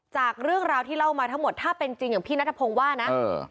จากเรื่องราวที่เล่ามาทั้งหมดถ้าเป็นจริงอย่างพี่นัทพงศ์ว่านะ